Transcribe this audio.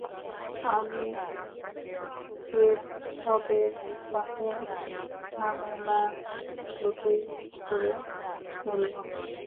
আমি জেটসদের সাথে ঝামেলার দ্রুতই ইতি করে ফেলবো।